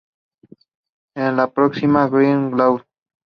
En la aproximación Giraud-De Gaulle.